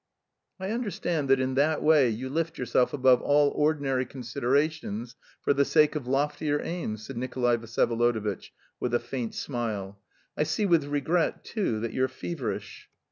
"I understand that in that way you lift yourself above all ordinary considerations for the sake of loftier aims," said Nikolay Vsyevolodovitch with a faint smile. "I see with regret, too, that you're feverish."